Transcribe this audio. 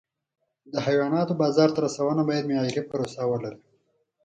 د حیواناتو بازار ته رسونه باید معیاري پروسه ولري.